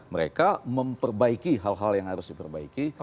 mereka memperbaiki hal hal yang harus diperbaiki